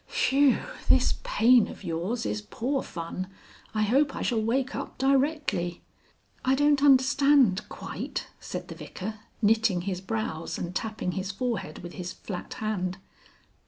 Phew! This Pain of yours is poor fun. I hope I shall wake up directly." "I don't understand quite," said the Vicar, knitting his brows and tapping his forehead with his flat hand.